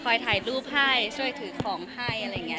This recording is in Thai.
ข่อยถ่ายรูปให้ช่วยถือของให้อะไรเงี้ย